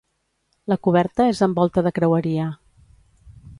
La coberta és amb volta de creueria.